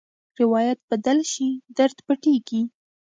روایت بدل شي، درد پټېږي.